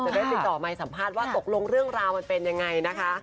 ได้ติดต่อไมค์สัมภาษณ์ว่าตกลงเรื่องราวมันเป็นยังไงนะคะ